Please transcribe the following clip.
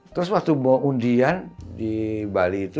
terus waktu mau undian di bali itu